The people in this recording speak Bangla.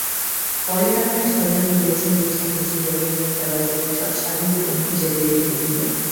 পরে তাঁহারা সজাগ হইয়াছেন দেখিয়া নীচে যাইয়া ঘণ্টা বাজাইয়া সব সাধু-ব্রহ্মচারীদের তুলিল।